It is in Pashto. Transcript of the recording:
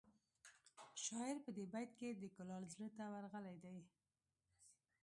شاعر په دې بیت کې د کلال زړه ته ورغلی دی